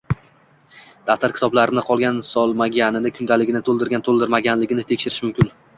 daftar-kitoblarini solgan-solmaganligini, kundaligini to‘ldirgan-to‘ldirmaganligini tekshirishi mumkin.